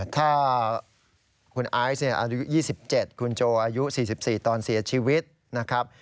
ถ้าคุณไอซ์อายุ๒๗คุณโจอายุ๔๔ตอนเสียชีวิตนะครับ